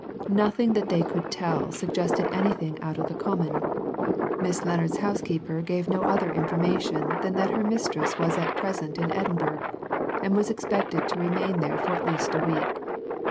Nothing that they could tell suggested anything out of the common. Miss Lennard's housekeeper gave no other information than that her mistress was at present in Edinburgh, and was expected to remain there for at least a week.